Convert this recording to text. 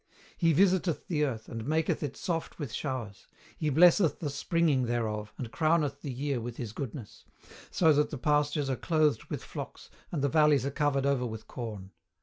"He visiteth the earth, and maketh it soft with showers: He blesseth the springing thereof, and crowneth the year with His goodness; so that the pastures are clothed with flocks, and the valleys are covered over with corn."